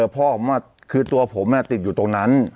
พ่อคือตัวผมติดอยู่ตรงนั้น